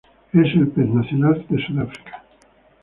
Es el pez nacional de Sudáfrica.